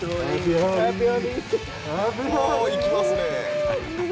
「おおいきますね」